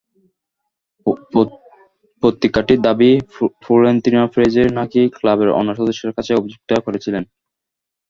পত্রিকাটির দাবি, ফ্লোরেন্তিনো পেরেজই নাকি ক্লাবের অন্য সদস্যদের কাছে অভিযোগটা করেছিলেন।